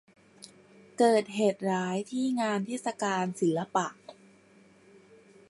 เกิดเหตุร้ายที่งานเทศกาลศิลปะ